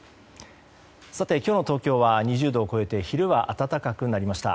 今日の東京は２０度を超えて昼は暖かくなりました。